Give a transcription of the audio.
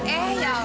eh ya allah